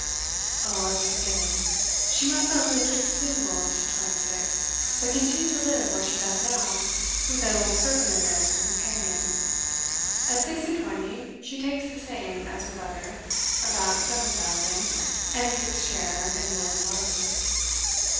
Oh, I was forgetting; she must not only keep single to twenty six, but continue to live where she does now, with that old servant of theirs for companion. At six and twenty she takes the same as her brother, about seven thousand, and a sixth share in Lord and Barmby.